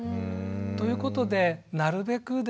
ということでなるべくですね